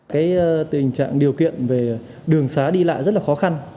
cái tình trạng điều kiện về đường xá đi lại rất là khó khăn